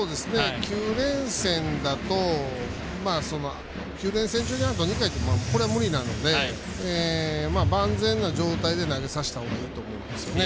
９連戦だと９連戦中はあと２回って、それは無理なので万全な状態で投げさせた方がいいと思うんですよね。